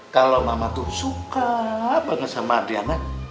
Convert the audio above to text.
kalo mama tuh suka banget sama adriana